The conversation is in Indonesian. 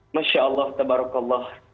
masya allah tabarakallah